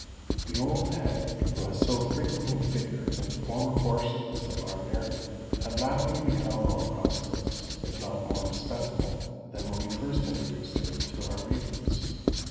The Old Hag, who has so frequently figured in former portions of our narrative, had latterly become more prosperous, if not more respectable, than when we first introduced her to our readers.